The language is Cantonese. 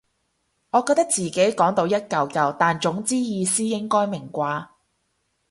我覺得自己講到一嚿嚿但總之意思應該明啩